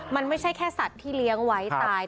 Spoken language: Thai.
มันไม่ใช่แค่สัตว์ที่เลี้ยงไว้ตาย